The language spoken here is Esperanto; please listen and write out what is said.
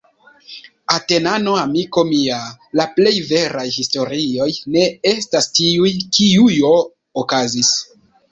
Atenano, amiko mia, la plej veraj historioj ne estas tiuj, kiujo okazis.